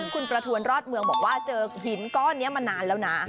คุณประทวนรอดเมืองบอกว่าเจอหินก้อนนี้มานานแล้วนะ